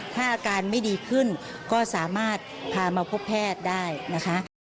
ถ้าอาการไม่ดีขึ้นก็สามารถพามาพบแพทย์ได้นะคะ